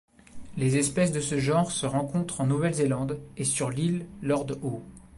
Les espèces de ce genre se rencontrent en Nouvelle-Zélande et sur l'île Lord Howe.